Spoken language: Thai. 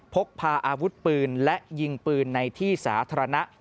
พกพาอาวุธปืนและยิงปืนในที่สาธารณะ